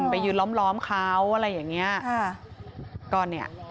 ไปยืนล้อมเขาอะไรอย่างนี้